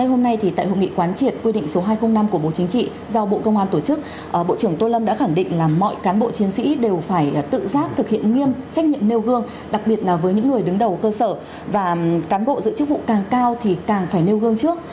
hôm nay tại hội nghị quán triệt quy định số hai trăm linh năm của bộ chính trị do bộ công an tổ chức bộ trưởng tô lâm đã khẳng định là mọi cán bộ chiến sĩ đều phải tự giác thực hiện nghiêm trách nhiệm nêu gương đặc biệt là với những người đứng đầu cơ sở và cán bộ giữ chức vụ càng cao thì càng phải nêu gương trước